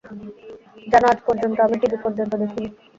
জানো, আজ আমি টিভি পর্যন্ত দেখি নি।